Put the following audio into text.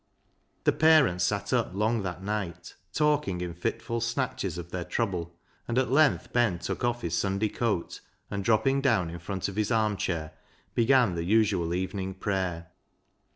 The parents sat up long that night, talking in fitful snatches of their trouble, and at length Ben took off his Sunday coat, and dropping down in front of his arm chair, began the usual evening prayer.